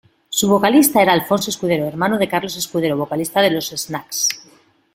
Su vocalista era Alfonso Escudero, hermano de Carlos Escudero, vocalista de Los Snacks.